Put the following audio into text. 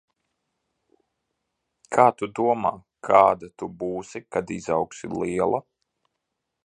Kā tu domā, kāda tu būsi, kad izaugsi liela?